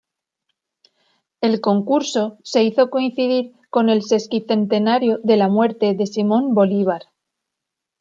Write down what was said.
El concurso se hizo coincidir con el sesquicentenario de la muerte de Simón Bolívar.